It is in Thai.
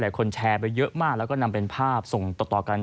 คนแชร์ไปเยอะมากแล้วก็นำเป็นภาพส่งต่อกัน